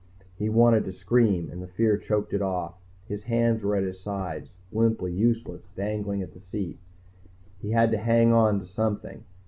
He wanted to scream and the fear choked it off. His hands were at his sides, limply useless, dangling at the seat. He had to hang on to something.